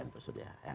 dan pak surya